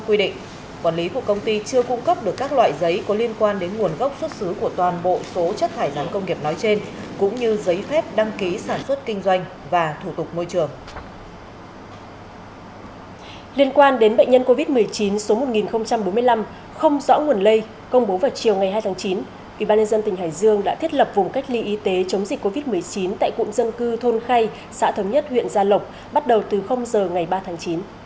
ủy ban nhân dân tỉnh hải dương đã thiết lập vùng cách ly y tế chống dịch covid một mươi chín tại cụm dân cư thôn khay xã thống nhất huyện gia lộc bắt đầu từ h ngày ba tháng chín